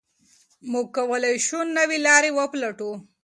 موږ کولای شو نوي لارې وپلټو.